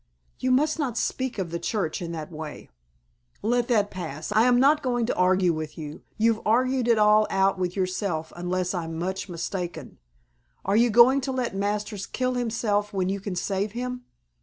"You must not speak of the Church in that way." "Let that pass. I am not going to argue with you. You've argued it all out with yourself unless I'm much mistaken. Are you going to let Masters kill himself when you can save him?